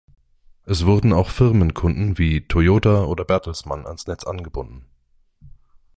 Es wurden auch Firmenkunden wie Toyota oder Bertelsmann ans Netz angebunden.